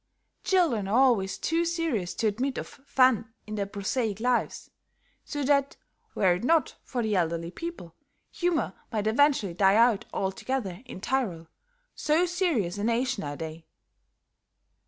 Children are always too serious to admit of "fun" in their prosaic lives, so that, were it not for the elderly people, humor might eventually die out altogether in Tyrol, so serious a nation are they.